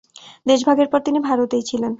দেশভাগের পর তিনি ভারতেই ছিলেন।